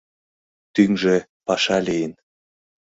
— Тӱҥжӧ — паша лийын!»